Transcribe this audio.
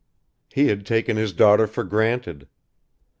He had taken his daughter for granted.